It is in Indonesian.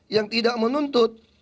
yang tidak menuntut